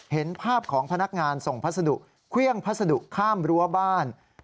เห็นภาพของพนักงานส่งพัฒนาที่เครื่องพัฒนาที่ข้ามรัวบ้าน